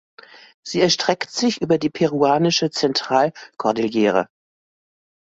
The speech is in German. Sie erstreckt sich über die peruanische Zentralkordillere.